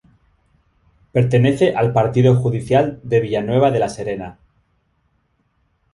Pertenece al Partido judicial de Villanueva de la Serena.